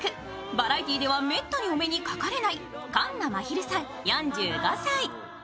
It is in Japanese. バラエティーでは、めったにお目にかかれない紺野まひるさん４５歳。